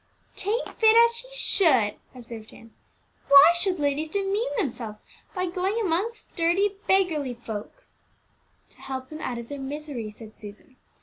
"'Tain't fit as she should," observed Ann. "Why should ladies demean themselves by going amongst dirty beggarly folk?" "To help them out of their misery," said Susan.